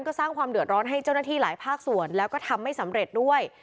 ก็สร้างความเดือดร้อนให้เจ้าหน้าที่หลายภาคส่วนแล้วก็ทำไม่สำเร็จด้วย